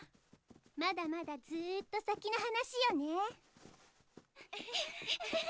まだまだずっと先の話よね。